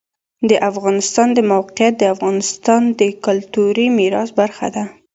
د افغانستان د موقعیت د افغانستان د کلتوري میراث برخه ده.